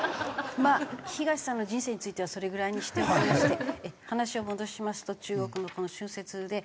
まあ東さんの人生についてはそれぐらいにしておきまして話を戻しますと中国のこの春節で。